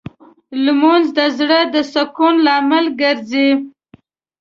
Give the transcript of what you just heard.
لمونځ د زړه د سکون لامل ګرځي